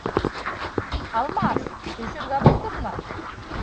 Алмас, төшөргә булдыңмы?